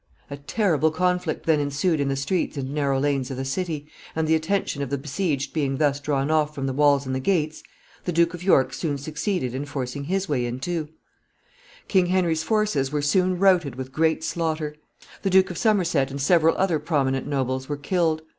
A terrible conflict then ensued in the streets and narrow lanes of the city, and the attention of the besieged being thus drawn off from the walls and the gates, the Duke of York soon succeeded in forcing his way in too. [Sidenote: The king taken prisoner.] King Henry's forces were soon routed with great slaughter. The Duke of Somerset and several other prominent nobles were killed.